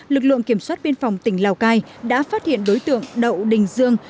lực lượng kiểm soát biên phòng tỉnh lào cai đã phát hiện đối tượng đậu đình dương